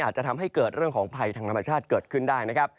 อาจจะทำให้เกิดเรื่องของภัยทางธรรมชาติเกิดขึ้นได้นะครับ